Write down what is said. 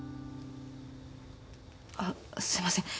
あっすいません